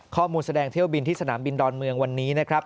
แสดงเที่ยวบินที่สนามบินดอนเมืองวันนี้นะครับ